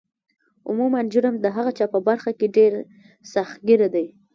عموما مجرم د هغه چا په برخه کې ډیر سخت ګیره دی